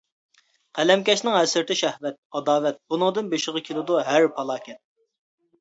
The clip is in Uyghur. قەلەمكەشنىڭ ھەسرىتى شەھۋەت، ئاداۋەت، بۇنىڭدىن بېشىغا كېلىدۇ ھەر پالاكەت.